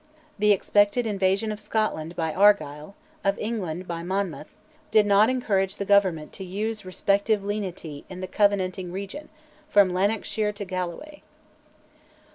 The expected invasion of Scotland by Argyll, of England by Monmouth, did not encourage the Government to use respective lenity in the Covenanting region, from Lanarkshire to Galloway.